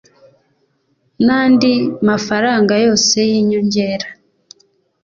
n andi mafaranga yose y inyongera